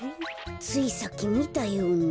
ついさっきみたような。